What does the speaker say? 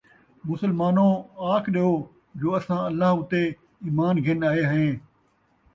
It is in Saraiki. مسلمانو آکھ ݙیو جو اساں اللہ اُتے ایمان گِھن آئے ہَیں،